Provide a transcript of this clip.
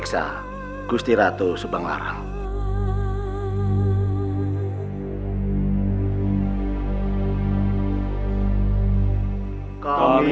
tegangan dari hidayah ataupun generasi kabinet ini